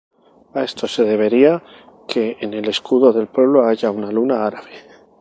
A esto se debería que en el escudo del pueblo haya una luna árabe.